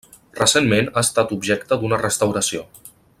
Recentment ha estat objecte d'una restauració.